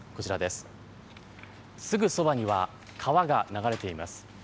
すぐそばには川が流れています。